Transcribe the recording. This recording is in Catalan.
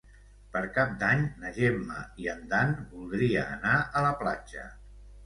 Per Cap d'Any na Gemma i en Dan voldria anar a la platja.